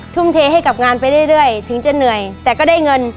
ทุ่มเทให้กับงานไปเรื่อยถึงจะเหนื่อยแต่ก็ได้เงิน